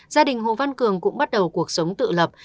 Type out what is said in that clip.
gia đình hồ văn cường cũng bắt đầu cuộc sống tự lập